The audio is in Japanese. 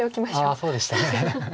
ああそうでした。